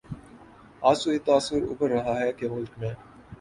آج تو یہ تاثر ابھر رہا ہے کہ ملک میں